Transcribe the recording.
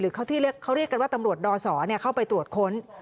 ที่เขาเรียกกันว่าตำรวจดอสเข้าไปตรวจค้น